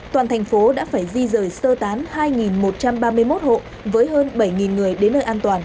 toàn thành phố đã phải di rời sơ tán hai một trăm ba mươi một hộ với hơn bảy người